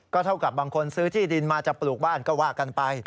เท่ากับบางคนซื้อที่ดินมาจะปลูกบ้านก็ว่ากันไป